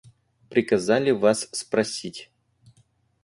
Приказали вас спросить.